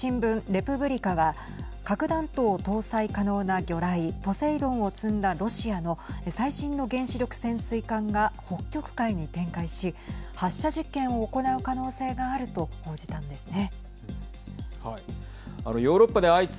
レプブリカは核弾頭搭載可能な魚雷ポセイドンを積んだロシアの最新の原子力潜水艦が北極海に展開し発射実験を行う可能性があると報じたんですね。